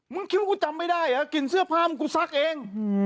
คิดว่ากูจำไม่ได้เหรอกลิ่นเสื้อผ้ามึงกูซักเอง